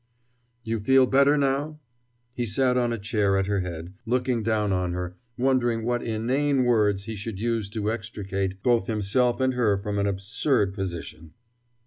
"You feel better now?" He sat on a chair at her head, looking down on her, wondering what inane words he should use to extricate both himself and her from an absurd position.